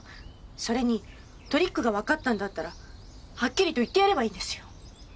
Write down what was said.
それにトリックがわかったんだったらはっきりと言ってやればいいんですよ。